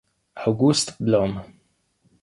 August Blom